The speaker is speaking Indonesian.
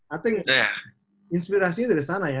i think inspirasinya dari sana ya